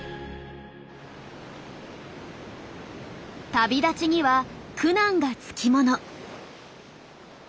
旅立ちには苦難がつきもの。